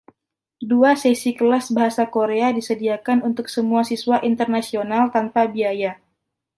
Dua sesi kelas bahasa Korea disediakan untuk semua siswa internasional tanpa biaya.